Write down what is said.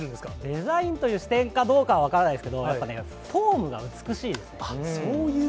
デザインという視点かどうかは分からないですけど、やっぱね、そういう。